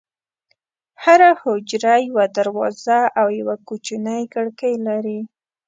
هره حجره یوه دروازه او یوه کوچنۍ کړکۍ لري.